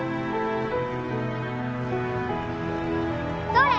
どれ？